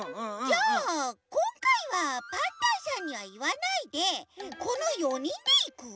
じゃあこんかいはパンタンさんにはいわないでこの４にんでいく？